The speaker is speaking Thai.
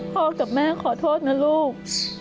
กับแม่ขอโทษนะลูก